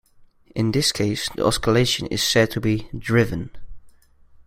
In this case the oscillation is said to be "driven".